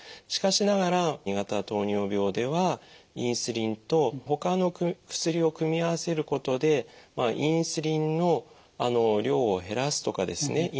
しかしながら２型糖尿病ではインスリンと他の薬を組み合わせることでインスリンの量を減らすとかですね